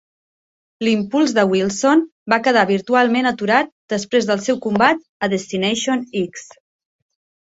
L'impuls de Wilson va quedar virtualment aturat després del seu combat a Destination X.